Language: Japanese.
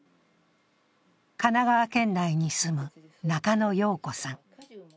神奈川県内に住む中野容子さん。